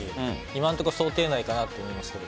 今のところ想定内かなと思います。